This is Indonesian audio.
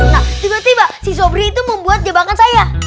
nah tiba tiba si sobri itu membuat jebakan saya